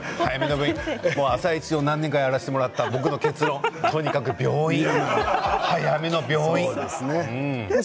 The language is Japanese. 「あさイチ」を何年かやらせていただいた僕の結論、早めの病院。